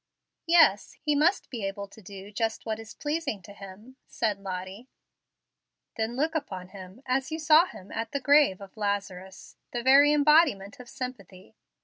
"Yes. He must be able to do just what is pleasing to Him," said Lottie. "Then look upon Him as you saw Him at the grave of Lazarus, the very embodiment of sympathy.